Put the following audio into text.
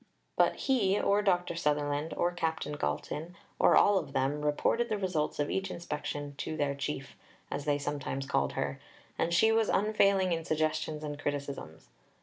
But he or Dr. Sutherland, or Captain Galton, or all of them, reported the results of each inspection to their "Chief," as they sometimes called her, and she was unfailing in suggestions and criticisms.